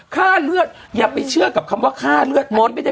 ฆ่าเลือดอย่าไปเชื่อกับคำว่าฆ่าเลือด